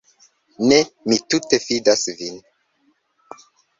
Ne, mi tute fidas vin.